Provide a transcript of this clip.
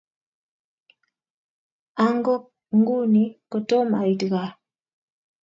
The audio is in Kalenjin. Agok nguni kotom ait kaa.